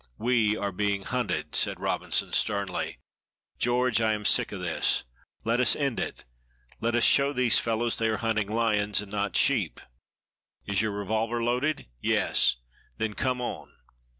We are being hunted," said Robinson, sternly. "George, I am sick of this, let us end it. Let us show these fellows they are hunting lions and not sheep. Is your revolver loaded?" "Yes." "Then come on!"